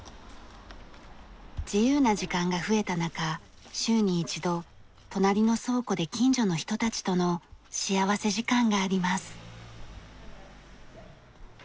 自由な時間が増えた中週に一度隣の倉庫で近所の人たちとの幸福時間があります。